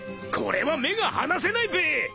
これは目が離せないべ。